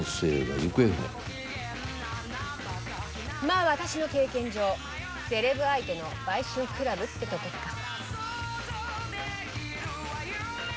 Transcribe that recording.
まあ私の経験上セレブ相手の売春クラブってとこか。